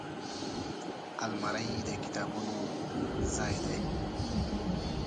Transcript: الماري د کتابونو ځای دی